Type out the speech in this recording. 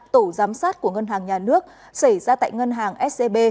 tổ giám sát của ngân hàng nhà nước xảy ra tại ngân hàng scb